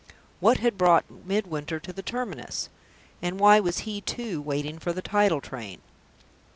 What had brought Midwinter to the terminus? And why was he, too, waiting for the tidal train?